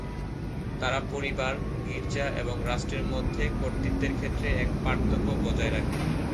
তারা পরিবার, গির্জা এবং রাষ্ট্রের মধ্যে কর্তৃত্বের ক্ষেত্রে এক পার্থক্য বজায় রাখে।